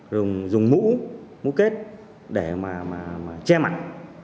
rồi dùng mũ mũ kết để mà che mặt